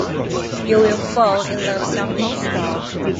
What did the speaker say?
You'll fall in love someday.